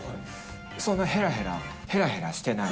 そんなへらへら、へらへらしてない。